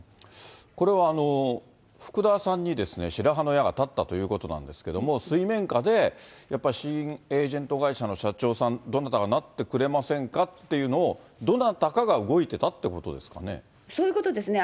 これは福田さんに白羽の矢が立ったということなんですけども、水面下で、新エージェント会社の社長さん、どなたかなってくれませんかっていうのを、どなたかが動いてたとそういうことですね。